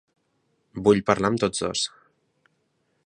Vull parlar amb tots dos.